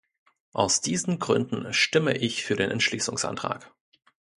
Aus diesen Gründen stimme ich für den Entschließungsantrag.